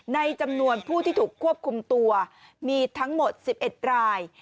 ในจำนวนผู้ที่ถูกควบคุมตัวมีทั้งหมด๑๑ราย